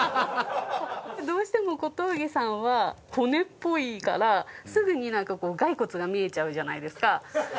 どうしても小峠さんは骨っぽいからすぐになんかこう骸骨が見えちゃうじゃないですか。